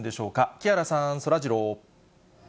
木原さん、そらジロー。